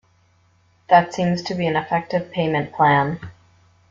That seems to be an effective payment plan